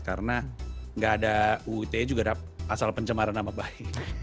karena gak ada uu ite juga ada pasal pencemaran nama baik